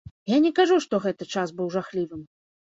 Я не кажу, што гэты час быў жахлівым.